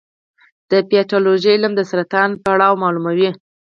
د پیتالوژي علم د سرطان پړاو معلوموي.